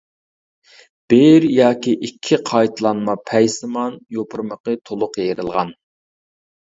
بىر ياكى ئىككى قايتىلانما پەيسىمان، يوپۇرمىقى تولۇق يېرىلغان.